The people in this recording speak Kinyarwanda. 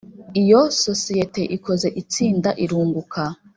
Iyo sosiyete ikoze itsinda irunguka